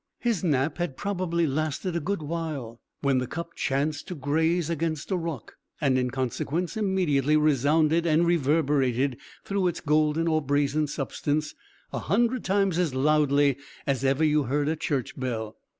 His nap had probably lasted a good while, when the cup chanced to graze against a rock, and, in consequence, immediately resounded and reverberated through its golden or brazen substance, a hundred times as loudly as ever you heard a church bell.